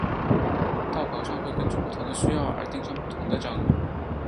道袍上会根据不同需要而钉上不同的章。